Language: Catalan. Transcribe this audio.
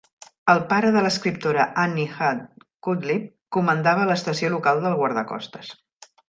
El pare de l'escriptora Annie Hall Cudlip comandava l'estació local del guardacostes.